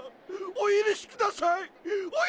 おゆるしください！